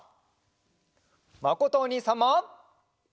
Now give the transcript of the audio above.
まことおにいさんも！